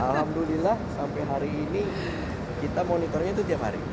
alhamdulillah sampai hari ini kita monitornya itu tiap hari